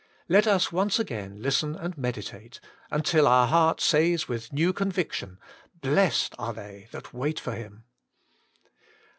Let us once again listen and meditate, until our heart says with new conviction :* Blessed are they that wait for Him!'